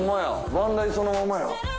番台そのままや。